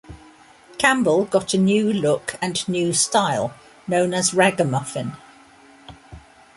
Campbell got a new look and new style, known as raggamuffin.